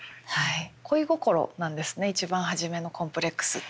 恋心なんですね一番初めのコンプレックスっていうのが。